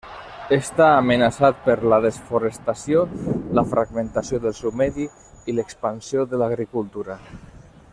Està amenaçat per la desforestació, la fragmentació del seu medi i l'expansió de l'agricultura.